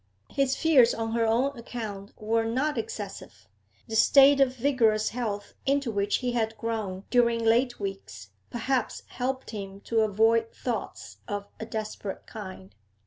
His fears on her own account were not excessive; the state of vigorous health into which he had grown during late weeks perhaps helped him to avoid thoughts of a desperate kind.